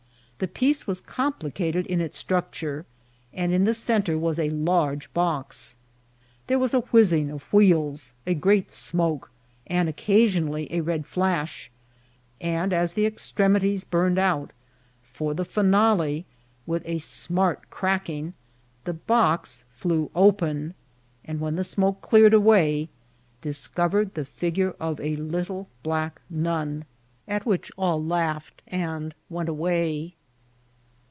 The piece was complicated in its structure, and in the centre was a large box. There was a whiazing of wheels, a great smoke, and oocanonally a red flash; and as the ex* tremities burned out, for the finale, with a smart crack* ing, the box flew open, and when the smoke cleared away, discovered the figure of a little black nun, at which all laughed and went away.